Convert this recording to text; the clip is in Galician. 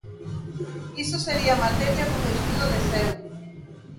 Iso sería materia dun estudo de seu.